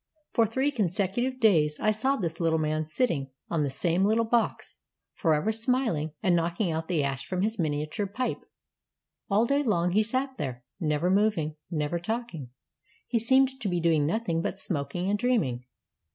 For three consecu tive days I saw this Uttle man sitting on the same Httle box, forever smiling and knocking out the ash from his miniature pipe. All day long he sat there, never moving, never talking — he seemed to be doing nothing but smoking and dreaming.